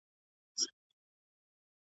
زه اوس د ښوونځي کتابونه مطالعه کوم!!